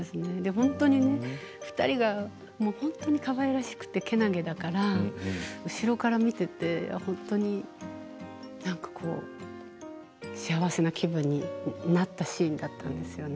本当に２人がかわいらしくてけなげだから後ろから見ていて本当に幸せな気分になったシーンだったんですよね。